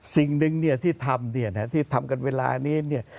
สิ่งนึงเนี่ยที่ทำกันเวลานี้